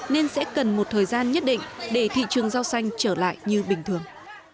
nên sẽ cần một thời gian nhất định để thị trường rau xanh trở lại như bình thường